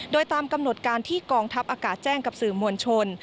โดยตามกำหนดการที่กองทัพอากาศแจ้งกับสื่อมวลชน